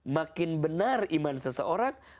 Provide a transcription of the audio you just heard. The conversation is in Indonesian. makin benar iman seseorang